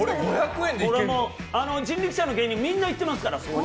人力舎の芸人みんな行ってますから。